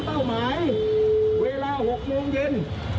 เป้าหมายเวลา๖โมงเย็น